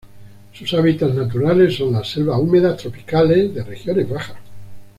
Sus hábitats naturales son las selvas húmedas tropicales de regiones bajas.